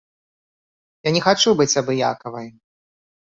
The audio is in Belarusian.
Я не хачу быць абыякавай.